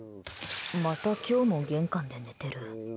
また今日も玄関で寝てる。